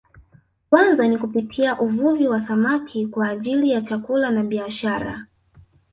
Kwanza ni kupitia uvuvi wa samaki kwa ajili ya chakula na biashara